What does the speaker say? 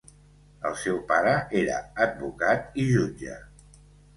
El seu pare era advocat i jutge.